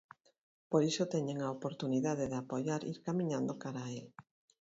Por iso teñen a oportunidade de apoiar ir camiñando cara a el.